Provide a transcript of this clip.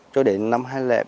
cho đến năm hai nghìn một mươi